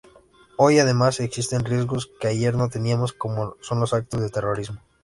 Hoy, además, existen riesgos que ayer no teníamos como son los actos de terrorismo.